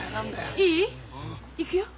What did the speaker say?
いい？いくよ！